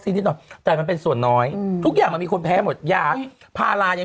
สงการในที่สุดสงการปีนี้เราได้เล่นน้ำแน่นอน